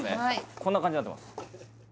こんな感じになってます